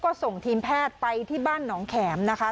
ก็ส่งทีมแพทย์ไปที่บ้านหนองแขมนะคะ